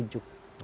itu bisa dirujuk